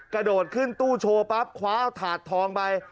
กระโดดขึ้นตู้โชว์ปั๊บคว้าเอาถาดทองไป